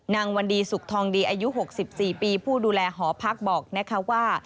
วันดีสุขทองดีอายุ๖๔ปีผู้ดูแลหอพักบอกนะคะว่า